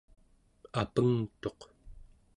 apengtuq